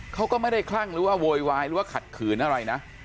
เขาก็ไม่ได้คลั่งหรือว่าโวยวายหรือว่าขัดขืนอะไรนะ